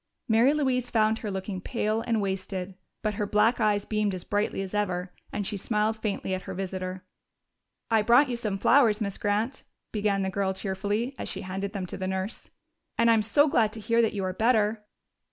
Mary Louise found her looking pale and wasted, but her black eyes beamed as brightly as ever, and she smiled faintly at her visitor. "I brought you some flowers, Miss Grant," began the girl cheerfully as she handed them to the nurse. "And I'm so glad to hear that you are better."